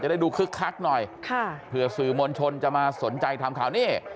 ได้ดูคึกคักหน่อยค่ะเผื่อสื่อมวลชนจะมาสนใจทำข่าวนี้